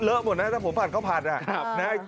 เหลือหมดน่ะถ้าผมผัดเขาผัดน่ะ